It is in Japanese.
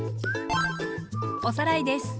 おさらいです。